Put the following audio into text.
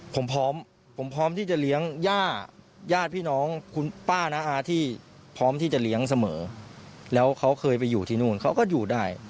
ผมพร้อมผมพร้อมที่จะเลี้ยงย่าญาติพี่น้องคุณป้าน้าอาที่พร้อมที่จะเลี้ยงเสมอแล้วเขาเคยไปอยู่ที่นู่นเขาก็อยู่ได้